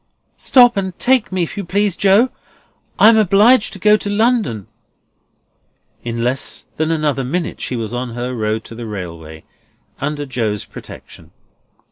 "Stop and take me, if you please, Joe. I am obliged to go to London." In less than another minute she was on her road to the railway, under Joe's protection.